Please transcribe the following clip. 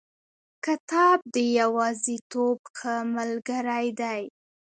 کتاب د یوازیتوب ښه ملګری دی.